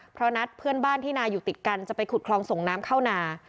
เพราะนัดเพื่อนบ้านที่นาอยู่ติดกันจะไปขุดคลองส่งน้ำเข้านา